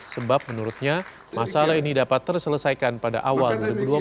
sebab menurutnya masalah ini dapat terselesaikan pada awal dua ribu dua puluh